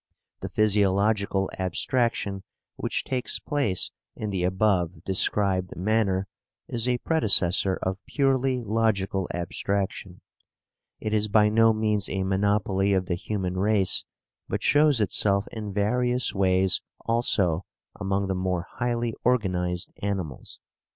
The physiological abstraction which takes place in the above described manner is a predecessor of purely logical abstraction. It is by no means a monopoly of the human race, but shows itself in various ways also among the more highly organized animals."